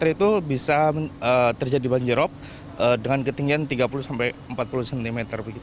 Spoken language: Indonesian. itu bisa terjadi banjir rop dengan ketinggian tiga puluh empat puluh cm